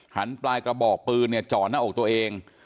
หันปลายกระบอกปืนจอดหน้าอกตัวเอง